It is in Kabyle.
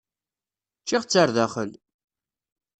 Ččiɣ-tt ar zdaxel.